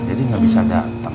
jadi gak bisa dateng